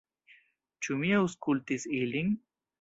Ĉu mi aŭskultis ilin?